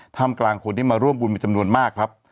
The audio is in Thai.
ทำกลางคนที่มาร่วมบุญมีจำนวนมากครับ